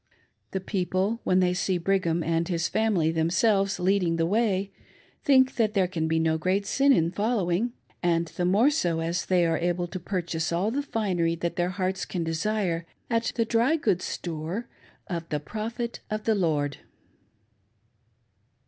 The people, when they see Brigham and his family themselves leading the way, think that there can be no great sin in following ; and the more so as they are able to purchase all the finery that their hearts can desire at the dry goods store of "the Prophet of the Lord!"